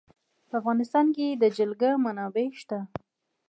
په افغانستان کې د جلګه منابع شته.